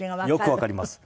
よくわかります。